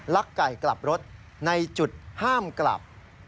ไก่กลับรถในจุดห้ามกลับ